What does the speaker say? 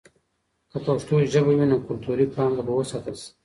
که پښتو ژبه وي، نو کلتوري پانګه به وساتل سي.